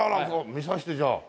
見さしてじゃあ。